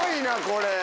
これ。